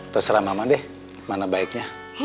terserah mama deh mana baiknya